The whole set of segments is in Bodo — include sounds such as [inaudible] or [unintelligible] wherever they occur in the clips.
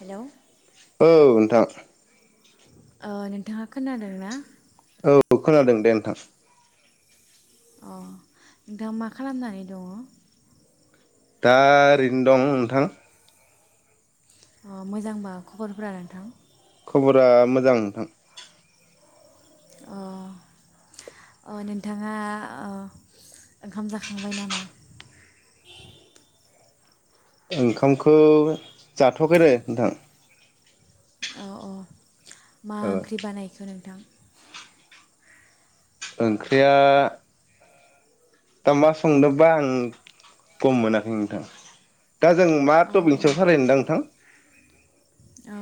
हेल' औ नोंथां अ नोंथांङा खोनादों ना औ खोनादों दे नोंथां अ नोंथां मा खालामनानै दङ? दा ओरैनो दं नोंथां अ मोजांबा खबरफोरा नोंथां खबरा मोजां नोंथां अ अ नोंथाङा ओंखाम जाखांबाय नामा? ओंखामखौ जाथवाखैरो नोंथां औ औ मा ओ ओंख्रि बानायखो नोंथां? ओंख्रिया दा मा संदोंबा आं गम मोनाखै नोंथा दा जों मा अ अ टपिकनि सायाव सावरायनो दा नोंथां अ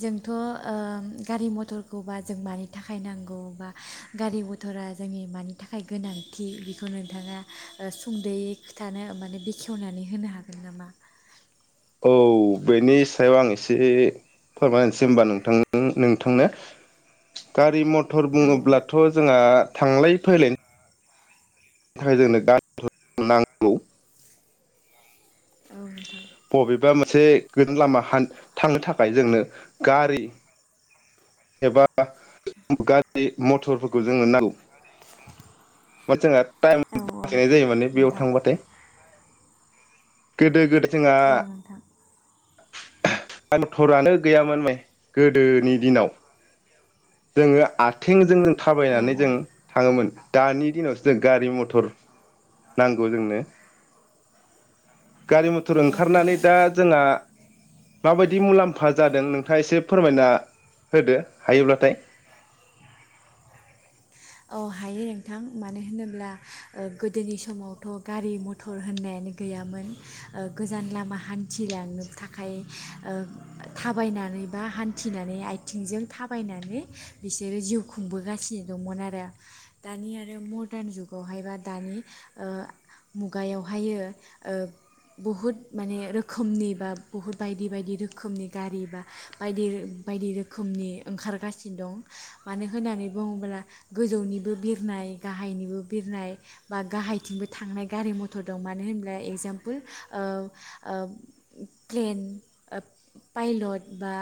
जोंथ ओम गारि मथरखौबा जों मानि थाखाय नांगौ बा गारि मथरा जोंनि मानि थाखाय गोनांथि बेखौ नोंथाङा सुंद'यै खोथानो माने बेखेवनानै होनो हागोन नामा? औ बेनि सायाव आं एसे से फोरमायना होसै होनबा नोंथां नोंथांनो गारि मट मटर औ बुङोब्लाथ जोंहा थांलाय फैलाय [unintelligible] औ नोंथां बबेबा मोनसे गोजान लामा थांनो थाखाय जोंनो गारि एबा गारि मटरफोरखौ जोनो नांगौ बा जोंहा टाइम औ [unintelligible] जायो माने बेयाव नोंथां थांबथाइ गोदो गोदा औ नोंथां मटरानो गैया माने गोदोनि दिनाव जोङो आथेंजों औ थाबायनानै जों थाङोमोन दानि दिनावसो जों गारि मथर नांगौ जोंनो गारि मथर औ ओंखारनानै नोंथां दा जोंहा माबायदि मुलाम्फा जादों नोंथाङा एसे फोरमायना होदो हायोब्लाथाय औ हायो नोंथां मानो होनोब्ला ओ गोदोनि समावथ' गारि मथर होननायानो गैयामोन ओ गोजान लामा हान्थिलांनो थाखाय ओ थाबायनानै बा हान्थिनानै आयथिंजों थाबायनानै बिसोरो जिउ खुंबोगासिनो दंमोन आर दानि आरो मरदान जुगावहाय बा दानि ओ मुगायावहायो ओ बहुद माने रोखोमनि बा बुहुद बायदि बायदि रोखोमनि गारि बा बायदि बायदि रोखोमनि ओंखारगासिनो दं मानो होननानै बुङोब्ला गोजौनिबो बिरनाय गाहायनिबो बिरनाय बा गाहायथिंबो थांनाय गारि मथर दं मानो होनब्ला एगजामपोल ओ ओ प्लेन पाइलट बा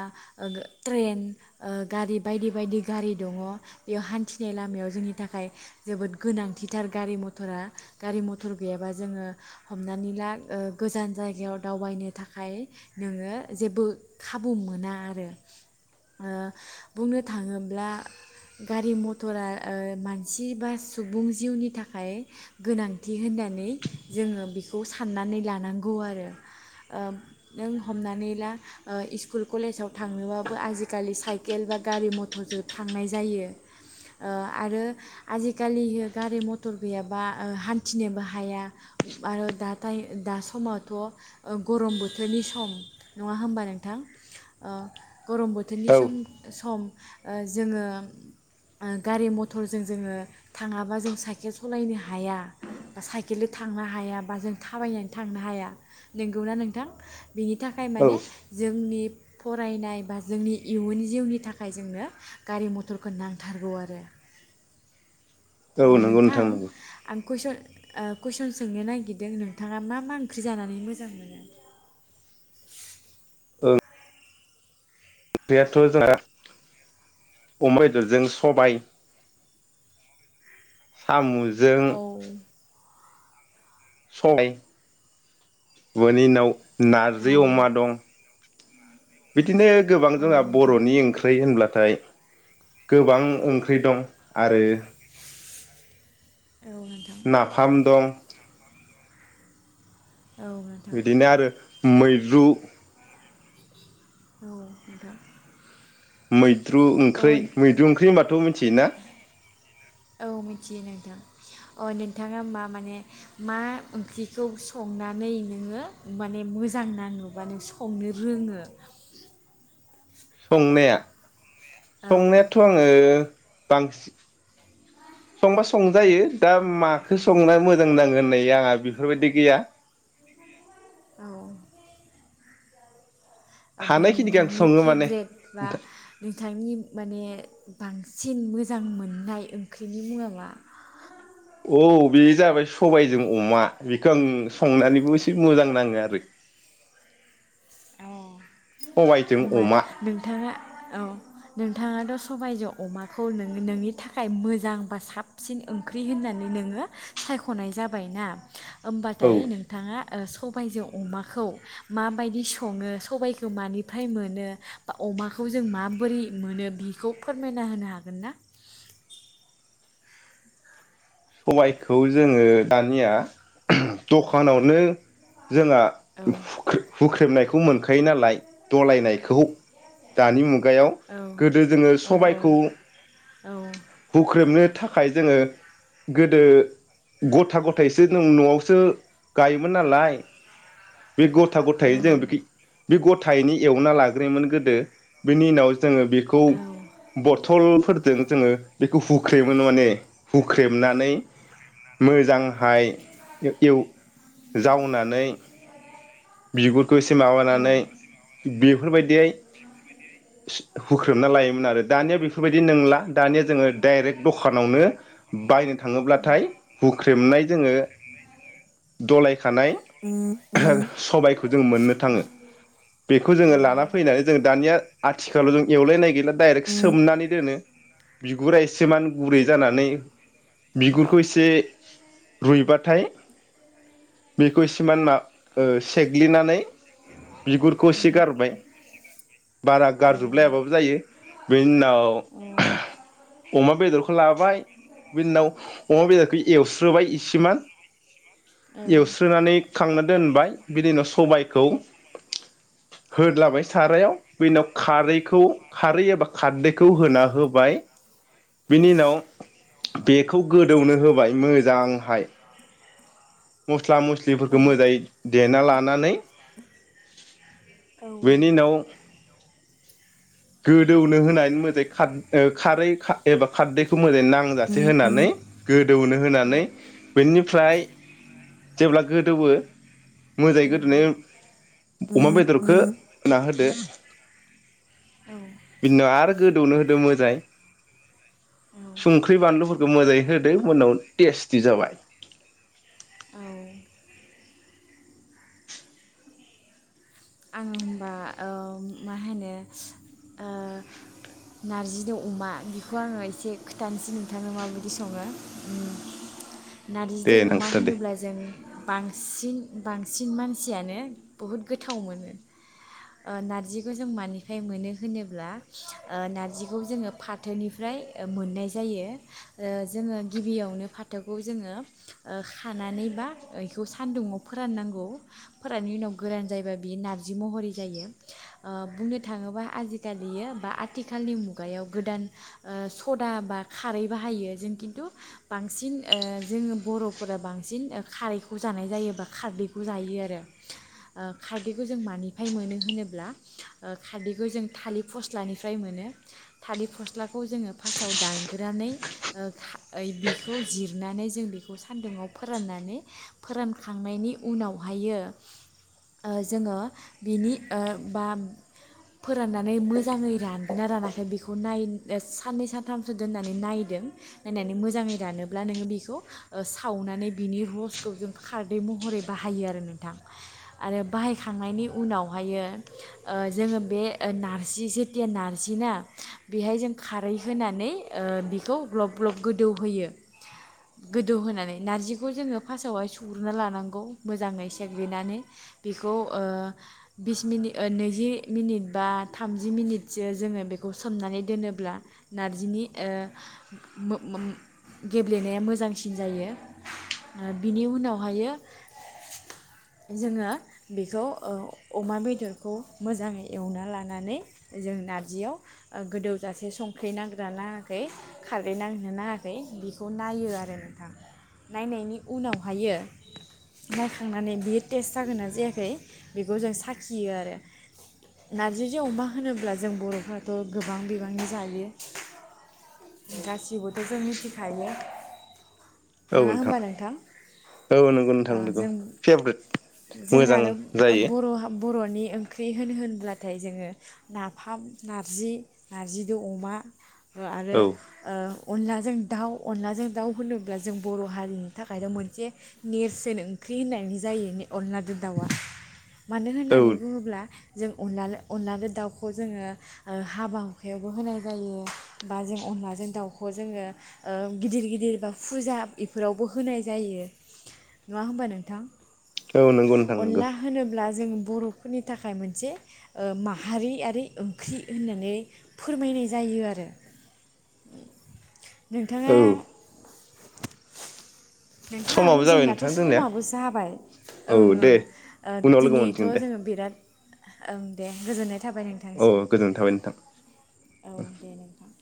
ट्रेन ओ गारि बायदि बायदि गारि दङ बेयाव हान्थि नाय लामायाव जोंनि थाखाय जोबोद गोनांथिथार गारि मथरा गारि मथर गैयाबा जोङो हमनानै ला ओ गोजान जायगायाव दावबायनो थाखाय नोङो जेबो खाबु मोना आरो ओ बुंनो थाङोब्ला गारि म टरा ओ मानसि बा सुबुं जिउनि थाखाय गोनांथि होननानै जोङो बेखौ साननानै लानांगौ आरो ओ नों हमनानै ला ओ स्कुल कलेजाव थांनोबाबो आजिखालि साइकेल बा गारि मथरजों थांनाय जायो। ओ आरो आजिखालियो गारि मथर गैयाबा ओ हान्थिनोबो हाया आरो दाथाइ दा समावथ' ओ गरम बोथोरनि सम नङा होमबा नोंथां ओ गरम बोथोरनि औ सम सम ओ जोङो गारि मथरजों जोङो थाङाबा जों साइकेल सालायनो हाया बा साइकेलजों थांनो हाया बा जों थाबायनानै थांनो हाया नोंगौना नोंथां? बिनि थाखाय औ माने जोंनि फरायनाय बा जोंनि इयुन जिउनि थाखाय जोंनो गारि मथरखौ नां थारगौ आरो औ अ' नंगौ नोंथां नंगौ आं कुइसन ओ कुइसन सोंनो नागिरदों नोंथाङा मा मा ओंख्रि जानानै मोजां मोनो? ओं ओंख्रियाथ' जोंहा अमा बेदरजों, सबाय सामु जो औ। [unintelligible] नारजि औ अमा दं। बिदिनो गोबां औ जोंहा नोंथां बर'नि ओंख्रि होनब्ला नाथाय गोबां ओंख्रि दं आरो औ नोंथां नाफाम दं। औ नोंथां। बिदिनो आरो मैद्रु औ नोंथां। मै द्रु ओंख्रै, अ मैद्रु ओंख्रै होनबाथ' मिन्थियो ना? औ मिथियो नोंथां अ' नोंथाङा मा माने मा ओंख्रिखौ संनानै नोङो माने मोजां नाङो बा नों संनो रोङो? संनाया औ संनायाथ' आङो बांसि संबा संजायो दा माखो संना मोजां नाङो होननाय आंहा बेफोरबायदि गैया। औ। ओमफ्राय हानायखिनिखौ आं नोंथांनि सङो माने फेब्रेट बा नोंथां। नोंथांनि माने बांसिन मोजां मोननाय ओंख्रिनि मुंआ मा? औ बे जाबाय सबायजों अमा बेखौ आं संनानैबो एसे मोजां नाङो आरो। औ। सबायजों ओमबा अमा नोंथाङा औ नोंथाङा द सबायजो अमाखौ नोङो नोंनि थाखाय मोजां बा साबसिन ओंख्रि होननानै नोङो सायख'नाय जाबायना। औ होमबाथाय नोंथाङा ओ सबायजो अमाखौ माबायदि सं सङो सबायखौ मानिफ्राय मोनो बा अमाखौ जों माबोरै मोनो बिखौ फोरमायना होनो हागोन ना? सबायखौ जोङो दानिया दखानावनो जोंङा औ हुख्रे हुख्रेमनायखौ मोनखा खायो नालाय दलायनायखौ दानि मुग गायाव औ गोदो जोङो औ सबायखौ औ हुख्रेमनो था खाय जोङो। गोदो गथा गथायैसो नों न'आवसो गायोमोन नालाय। बे गथा गथायै जों बिखि बि गथायैनो एवना लाग्रोयोमोन गोदो। बेनि उनाव जोङो बेखौ औ बथलफोरदों जोङो बेखौ हुख्रेमोनो माने हु ख्रेबनानै मोजांहाय ए-एव जावनानै बिगुर खौ एसे माबानानै बि फोरबायदियै सि हुख्रेबना लायोमोन आरो दानिया बे फोरबायदि नोंला दानिया जोङो डाइरेक्ट दखानावनो बायनो थाङोब्लाथाय हुख्रेमनाय जोङो दलायखानाय सबायखौ जों मोननो थाङो बेखौ जोङो लाना फैनानै जों दानि या आथिखालाव जों एवलायनाय गैला डाइरेक्ट सोमनानै दोनो। बिगुरा एसेमान गुरै जानानै बिगुरखौ एसे रुइबाथाय बेखौ एसेमान मा ओ सेग्लिनानै बिगुरखौ एसे गारबाय बारा गारजोबलायाबाबो जायो बेनि उनाव औ अमा बेदरखौ लाबाय बेनि उनाव अमा बेदरखौ एवस्रोबाय इ सिमान आङो एवस्रोनानै खांना दोनबाय बिनि उनाव सबायखौ होदलाबाय सारायाव बिनि उनाव खारैखौ खारै एबा खारदैखौ होना होबाय। बिनि उनाव बेखौ गोदौनो होबाय मोजांहाय। मस स्ला मस्लिफोरखौ होमबा मोजाङै देना ला नानै बेनि उनाव गोदौनो होनायनि मोजाङै खार ओ खारै खा एबा खारदैखौ मोजाङै नांजासे होनानै गोदौनो होनानै बेनि फ्राय जेब्ला गोदौयो मोजाङै गोदौनायनि अमा बेदरखो होना होदो। बिनि उनाव आरो गोदौनो होदो मोजाङै संख्रि बानलुफोरखौ मोजाङै होदो मोननाव टेस्टि जाबाय। आङो होमबा ओम मा होनो ओ नारजिनि अमा बेखौ आङो एसे खोथानसै नोंथांनो माबायदि सङो उम। दे नारजिजों अमा नोंस्रा दे होनोब्ला जों बांसिन बांसिन मानसियानो बुहुत गोथा थाव मोनो ओ नारजिखौ जों मानिफाय मोनो होनोब्ला ओ नारजिखौ जोङो फाथोनिफ्राय ओ मोननाय जायो ओ जोङो गिबियावनो फाथोखौ जोङो ओ खानानैबा ऐखौ सानदुङाव फोराननांगौ फोराननि उनाव गोरान जायोबा बियो नारजि महरै जायो ओ बुंनो थाङोबा आजिखालियो बा आथिखालनि मुगायाव गोदान ओ सदा बा खारै बाहायो जों खिन्थु बांसिन ओ जोङो बर'फोरा बांसिन ओ खारैखौ जानाय जायो बा खारदैखौ जायो आरो। ओ खारदैखौ जों मानिफाय मोनो होनोब्ला ओ खारदैखौ जों थालिर फस्लानिफ्राय मोनो थालिर फस्लाखौ जोङो फासाव दानग्रोनानै ओ खा ऐ बेखौ जिरनानै जों बेखौ सानदुंआव फोराननानै फोरानखांनायनि उनावहायो ओ जोङो बिनि ओ बा फोराननानै मोजाङै रानगोना रानाखै बेखौ नाय एस साननै सानथामसो दोननानै नायदों नायनानै मोजाङै रानोब्ला नोङो बेखौ ओ सावनानै बिनि रसखौ जों खारदै महरै बाहायो आरो नोंथां। आरो बाहायखांनायनि उनावहायो ओ जोंङो बे ओ नारजि जेथिया नारजि ना बेहाय जों खारै होनानै ओ बेखौ ग्लब ग्लब गोदौहोयो गोदौ होनानै नारजिखौ जोंङो फासावहाय सुग्रोना लानांगौ मोजाङै सेग्लिनानै। बेखौ ओ बिस मिनि ओ नैजि मिनिट बा थामजि मिनिटसो जोंङो बेखौ सोमनानै दोनोब्ला नारजिनि ओ मो-मोम गेब्लेनाया मोजांसिन जायो ओ बिनि उनावहायो जोङो बेखौ ओ अमा बेदरखौ मोजाङै एवना लानानै जों नारजियाव ओ गोदौजासे संख्रै नांगोना नांङाखै खारैनाङो ना नाङाखै बेखौ नायो आरो नोंथां नायनायनि उनावहायो नायखांनानै बेयो टेस्ट जागोन आ जायाखै बेखौ जों साखियो आरो नारजिजों अमा होनोब्ला जों बरफ्राथ गोबां बिबांनि जायो गासिबोथ जों मिथिखायो औ नङा नोंथां होमबा औ नंगौ नोंथां नगौ जों फेभरेट जों मोजां आरो जायो अबर बरनि ओंख्रि होन होनब्लाथाय जोंङो नाफाम नारजि नारजिदो अमा आरो औ ओ अनलाजों दाउ अनलाजों दाउ होनोब्ला जों बर हारिनि थाखायनो मोनसे नेरसोन ओंख्रि होननायनो जायो अलनादो दाउआ मानो औ होननानै बुंङोब्ला जों अनला अनलाजों दाउखौ जोंङो हाबा हुखायावबो होनाय जायो बा जों अनलाजों दाउखौ जोंङो ओ गिदिर गिदिर बा फुजा इफोरावबो होनाय जायो नङा होमबा नोंथां औ नंगौ नोंथां नोंगौ अनला होनोब्ला जों बरफोरनि थाखाय मोनसे ओ माहारियारि ओंख्रि होननानै फोरमायनाय जायो आरो औ नोंथाङा नोंथां समाबो जाबाय जोंनाथ नोंथां जोंनिया समाबो जाबाय औ ओं ओं दे ओ उनाव लोगो दिनैथ मोनसिगोन दे जोंङो बिराद ओं दे गोजोननाय थाबाय औ नोंथांसिम गोजोननाय थाबाय नोंथां औ दे नोंथां